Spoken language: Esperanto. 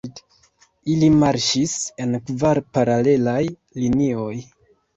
Ili marŝis en kvar paralelaj linioj.